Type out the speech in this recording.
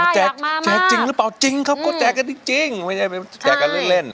แจกจริงหรือเปล่าจริงครับก็แจกจริงไม่ใช่แจกเล่น